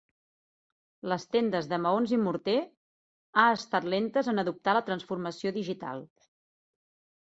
Les tendes de maons i morter ha estat lentes en adoptar la transformació digital.